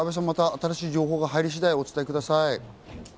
また新しい情報が入り次第お伝えください。